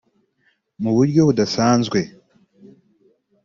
mu buryo budasanzwe